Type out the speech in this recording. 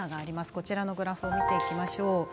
こちらのグラフを見ていきましょう。